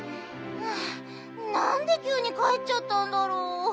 なんできゅうにかえっちゃったんだろう？